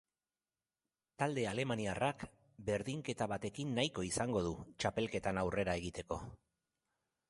Talde alemaniarrak berdinketa batekin nahiko izango du, txapelketan aurrera egiteko.